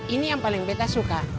ini yang paling kita suka